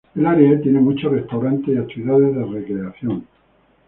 El área tiene muchos restaurantes y actividades de recreación.